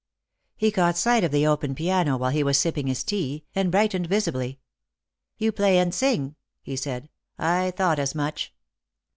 He caught sight of the open piano while he was sipping his tea, and brightened visibly. " You play and sing," he said. " I thought as much."